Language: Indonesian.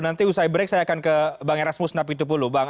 nanti usai break saya akan ke bang erasmus nabi tupulubang